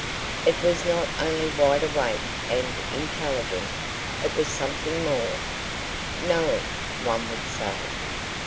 It was not only wide awake and intelligent; it was something more. "Knowing" one would say.